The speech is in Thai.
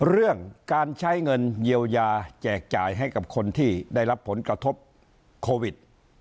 เรื่องการใช้เงินเยียวยาแจกจ่ายให้กับคนที่ได้รับผลกระทบโควิด